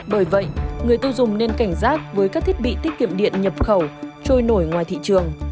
bởi vậy người tiêu dùng nên cảnh giác với các thiết bị tiết kiệm điện nhập khẩu trôi nổi ngoài thị trường